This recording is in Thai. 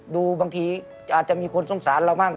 ดูบางทีอาจจะมีคนสงสารเราบ้าง